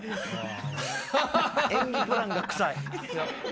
演技プランがクサい。